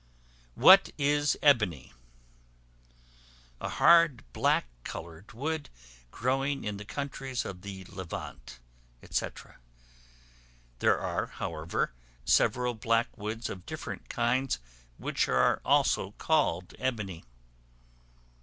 What is Ebony? A hard, black colored wood, growing in the countries of the Levant, &c. there are, however, several black woods of different kinds which are also called ebony.